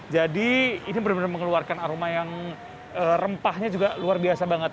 jadi ini benar benar mengeluarkan aroma yang rempahnya juga luar biasa banget